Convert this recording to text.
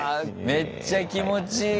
めっちゃ気持ちいい！